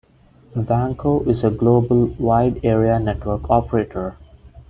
Vanco is a global Wide Area Network Operator.